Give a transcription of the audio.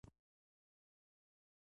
دفتري وسایل څنګه وساتل شي؟